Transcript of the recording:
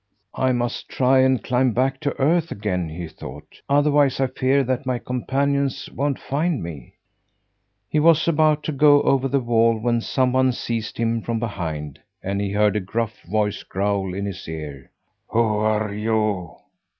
"I must try and climb back to earth again," he thought, "otherwise I fear that my companions won't find me!" He was about to go over to the wall when some one seized him from behind, and he heard a gruff voice growl in his ear: "Who are you?"